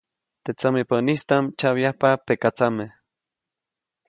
Teʼ tsamepäʼnistaʼm tsyabyajpa pekatsame.